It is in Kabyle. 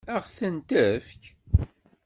Ad ɣ-tent-tefk?